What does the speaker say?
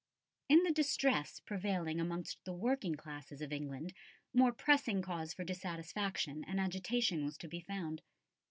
In the distress prevailing amongst the working classes of England, more pressing cause for dissatisfaction and agitation was found.